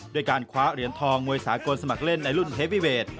ด้วยการคว้าเหรียญทองมวยสากลสมัครเล่นในรุ่นเฮวีเวท